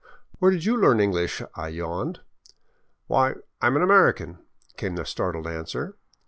" Where did you learn English ?" I yawned. " Why, I am an American 1 " came the startling answer.